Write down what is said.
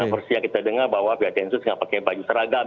nah versi yang kita dengar bahwa pihak densus tidak pakai baju seragam